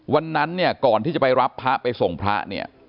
วันนั้นเนี่ยก่อนที่จะไปรับพระไปส่งพระเนี่ย